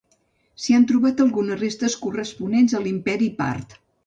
S'hi han trobat algunes restes corresponents a l'imperi Part.